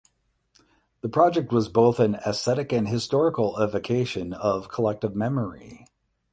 The project was both an aesthetic and historical evocation of collective memory.